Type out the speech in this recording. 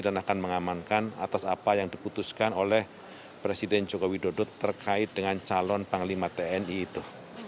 dan akan mengamankan atas apa yang diputuskan oleh presiden joko widodo terkait dengan calon panglima tni itu